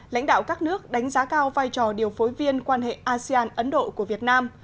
lãnh đạo các nước đánh giá cao vai trò điều phối viên quan hệ asean ấn độ của việt nam